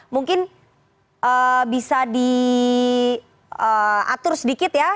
mungkin bisa diatur sedikit ya